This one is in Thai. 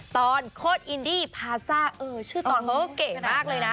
โคตรอินดี้พาซ่าเออชื่อตอนเขาเก๋มากเลยนะ